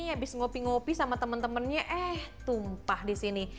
abis ngopi ngopi sama temen temennya eh tumpah disini